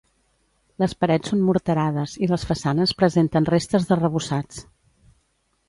Les parets són morterades i les façanes presenten restes d'arrebossats.